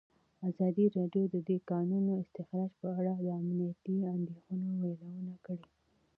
ازادي راډیو د د کانونو استخراج په اړه د امنیتي اندېښنو یادونه کړې.